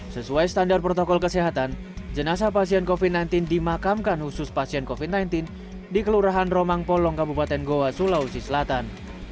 sesuai standar protokol kesehatan jenazah pasien covid sembilan belas dimakamkan khusus pasien covid sembilan belas di kelurahan romang polong kabupaten goa sulawesi selatan